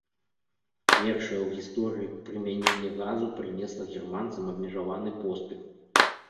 Першае ў гісторыі прымяненне газу прынесла германцам абмежаваны поспех.